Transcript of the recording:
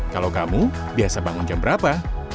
kalau kamu biasa bangun jam berapa